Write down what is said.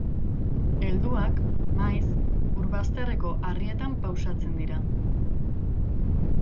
Helduak, maiz, ur bazterreko harrietan pausatzen dira.